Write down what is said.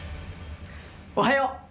おはよう！